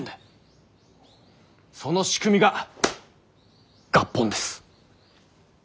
その仕組みが合本です。